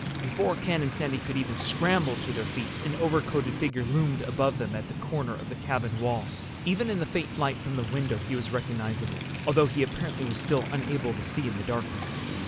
Before Ken and Sandy could even scramble to their feet an overcoated figure loomed above them at the corner of the cabin wall. Even in the faint light from the window he was recognizable, although he apparently was still unable to see in the darkness.